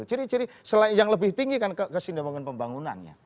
ciri ciri yang lebih tinggi kan kesinambungan pembangunannya